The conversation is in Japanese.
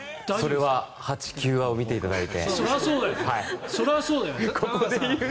それは８、９話を見ていただいて。